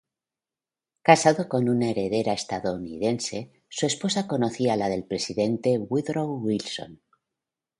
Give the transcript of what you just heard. Casado con una heredera estadounidense, su esposa conocía a la del presidente Woodrow Wilson.